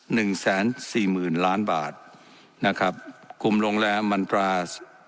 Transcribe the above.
หนึ่งแสนสี่หมื่นล้านบาทนะครับกลุ่มโรงแรมมันตรา